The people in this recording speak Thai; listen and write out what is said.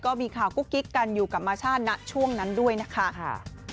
ก็มีข่าวกุ๊กกิ๊กกันอยู่กับมาชาติณช่วงนั้นด้วยนะคะ